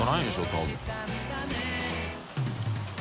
多分。